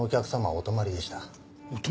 「お泊まりでした」？